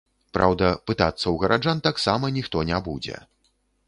Праўда, пытацца ў гараджан таксама ніхто не будзе.